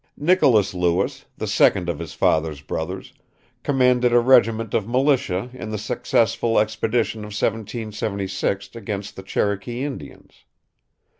Nicholas Lewis, the second of his father's brothers, commanded a regiment of militia in the successful expedition of 1776 against the Cherokee Indians....